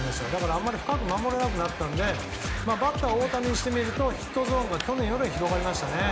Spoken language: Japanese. あまり深く守れなくなったのでバッター大谷にしてみるとヒットゾーンが去年より広がりましたね。